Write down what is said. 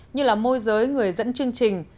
như là môi giới người dẫn chương trình